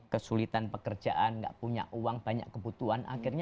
kesulitan pekerjaan gak punya uang banyak kebutuhan akhirnya